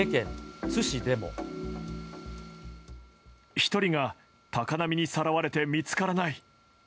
１人が高波にさらわれて見つ